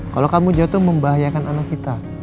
kalau kamu jatuh membahayakan anak kita